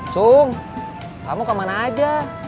cung kamu kemana aja